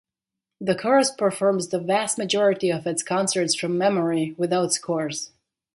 The chorus performs the vast majority of its concerts from memory, without scores.